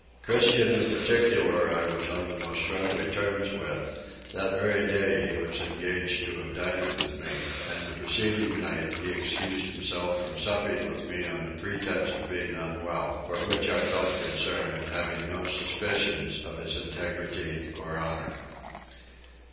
Christian in particular I was on the most friendly terms with: that very day he was engaged to have dined with me, and the preceding night he excused himself from supping with me on pretence of being unwell; for which I felt concerned, having no suspicions of his integrity and honour.